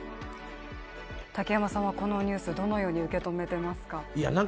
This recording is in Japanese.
竹山さんはこのニュースどのように受け止めていますか。